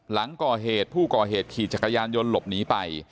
หลังก่อเหตุผู้ก่อเหตุขี่จักรยานยนต์หลบหนีไป